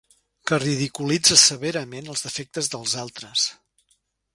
Que ridiculitza severament els defectes dels altres.